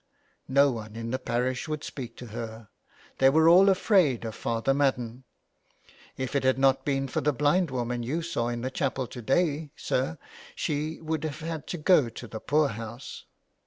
No one in the parish would speak to her; they were all afraid of Father Madden. If it had not been for the blind woman you saw in the chapel to day, sir, she would have had to go to the poorhouse.